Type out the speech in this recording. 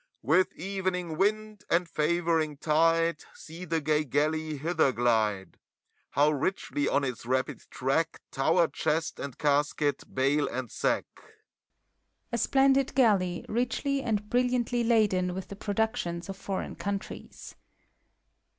With evening wind and favoring tide, See the gay galley hither glide ! How richly, on its rapid track, Tower chest and casket, bale and sack! (A splendid Galley, richly and brilliantly laden with the productions of Foreign Countries.)